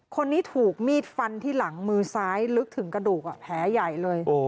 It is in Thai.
คนนี้ถูกมีดฟันที่หลังมือซ้ายลึกถึงกระดูกแผลใหญ่เลย